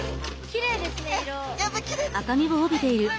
きれいです。